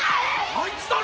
あいつだろ！